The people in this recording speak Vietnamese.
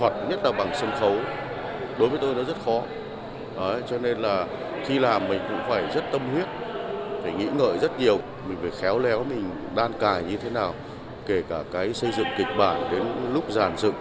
trong cuộc sống